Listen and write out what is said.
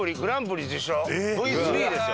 Ｖ３ですよ。